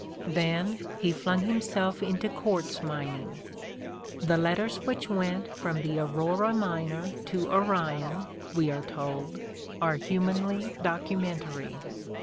'' Then he flung himself into quartz mining. '' The letters which went from the Aurora miner to Orion," we are told, "are humanly documentary.